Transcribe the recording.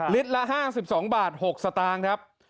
ละ๕๒บาท๖สตางค์ครับ